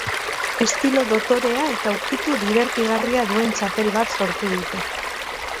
Estilo dotorea eta ukitu dibertigarria duen txapel bat sortu dute.